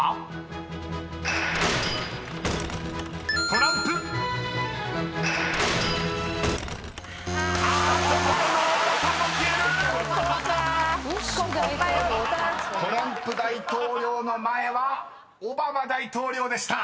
［「トランプ」大統領の前は「オバマ」大統領でした］